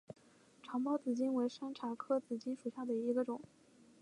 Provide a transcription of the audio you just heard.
长苞紫茎为山茶科紫茎属下的一个种。